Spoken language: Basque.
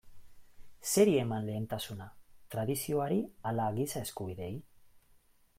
Zeri eman lehentasuna, tradizioari ala giza eskubideei?